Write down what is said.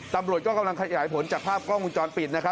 ตำรวจก็กำลังขยายผลจากภาพกล้องวงจรปิดนะครับ